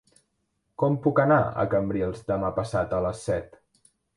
Com puc anar a Cambrils demà passat a les set?